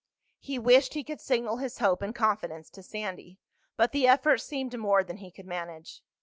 He wished he could signal his hope and confidence to Sandy, but the effort seemed more than he could manage.